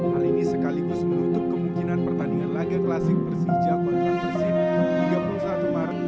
hal ini sekaligus menutup kemungkinan pertandingan laga klasik persija kontra persib tiga puluh satu maret